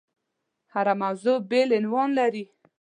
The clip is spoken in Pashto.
هره موضوع بېل عنوان لري.